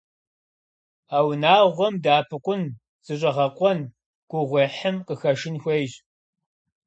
А унагъуэм дэӀэпыкъун, зыщӀэгъэкъуэн, гугъуехьым къыхэшын хуейщ.